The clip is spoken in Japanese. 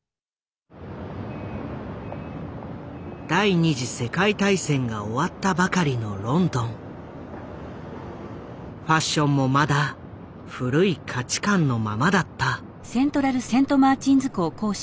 第２次世界大戦が終わったばかりのファッションもまだ古い価値観のままだった。